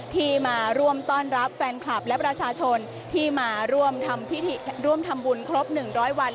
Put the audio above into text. ที่มาร่วมต้อนรับแฟนคลับและประชาชนที่มาร่วมทำบุญครบ๑๐๐วัน